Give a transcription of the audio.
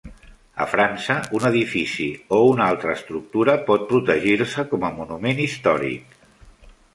A França, un edifici o una altra estructura pot protegir-se com a monument històric.